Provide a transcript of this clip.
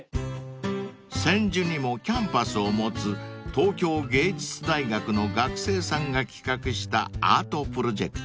［千住にもキャンパスを持つ東京藝術大学の学生さんが企画したアートプロジェクト］